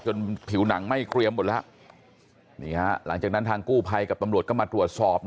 ผิวหนังไหม้เกรียมหมดแล้วนี่ฮะหลังจากนั้นทางกู้ภัยกับตำรวจก็มาตรวจสอบ